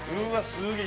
すげえ！